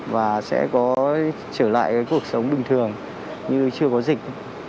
và sẽ có trở lại cuộc sống bình thường như chưa có dịch